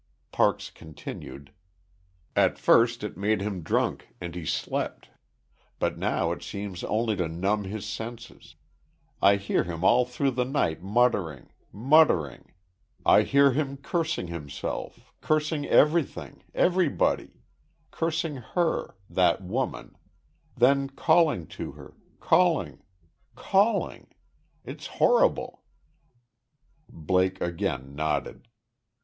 Parks continued: "At first it made him drunk, and he slept. But now it seems only to numb his senses. I hear him all through the night muttering muttering. I hear him cursing himself cursing everything, everybody cursing her that woman then calling to her calling calling It's horrible!" Blake again nodded.